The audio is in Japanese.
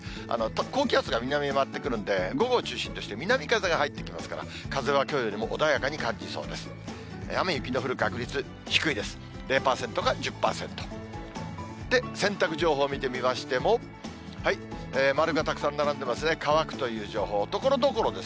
高気圧が南に回ってくるんで、午後を中心として南風が入ってきますから、風はきょうよりも穏やかに感じそうです。